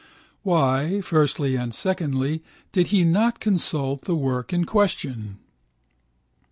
Why, firstly and secondly, did he not consult the work in question?